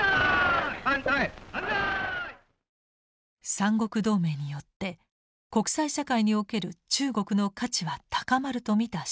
三国同盟によって国際社会における中国の価値は高まると見た介石。